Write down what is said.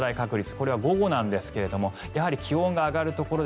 これは午後ですがやはり気温が上がるところや